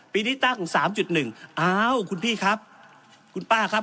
ปีนี้ตั้ง๓๑อ้าวคุณพี่ครับคุณป้าครับ